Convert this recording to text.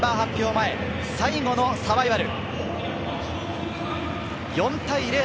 前、最後のサバイバル。